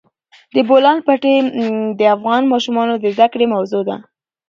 د بولان پټي د افغان ماشومانو د زده کړې موضوع ده.